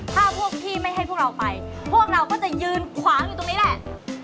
ถ้าพวกพี่ไม่ให้พวกเราไปพวกเราก็จะยืนขวางอยู่ตรงนี้แหละ